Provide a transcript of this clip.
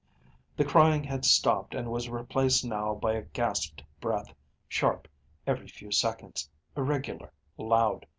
The crying had stopped and was replaced now by a gasped breath, sharp every few seconds, irregular, loud.